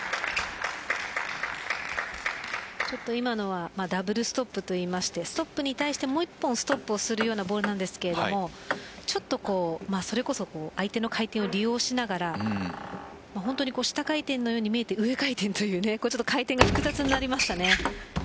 今のはダブルストップといってストップに対してもう１本ストップをするボールですけど相手の回転を利用しながら下回転のように見えて上回転という回転が複雑になりました。